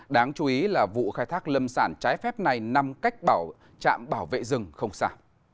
đáng chú ý là vụ khai thác lâm sản trái phép này nằm cách bảo trạm bảo vệ rừng không xả